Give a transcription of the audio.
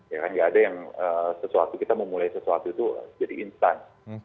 ya kan nggak ada yang sesuatu kita memulai sesuatu itu jadi instan